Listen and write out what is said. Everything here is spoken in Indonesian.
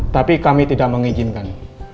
tapi kami tidak mengizinkan